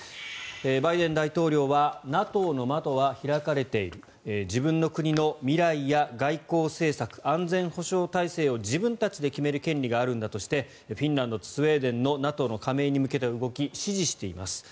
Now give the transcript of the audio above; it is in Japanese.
バイデン大統領はＮＡＴＯの窓は開かれている自分の国の未来や外交政策安全保障体制を自分たちで決める権利があるんだとしてフィンランドとスウェーデンのＮＡＴＯ加盟へ向けての動きを支持しています。